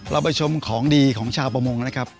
เราไปชมของดีของชาวประมงนะครับ